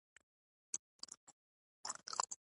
کرکټرونه یې د تاریخ پر افسانوي سټېج ټکر کوي.